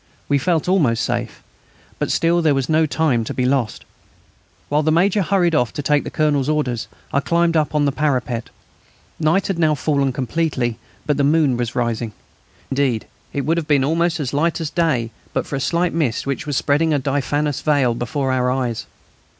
We felt almost safe. But still, there was no time to be lost. While the Major hurried off to take the Colonel's orders I climbed up on the parapet. Night had now fallen completely, but the moon was rising. Indeed, it would have been almost as light as day but for a slight mist which was spreading a diaphanous veil before our eyes.